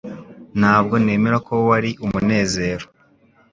Ntabwo nemera ko wari umunezero.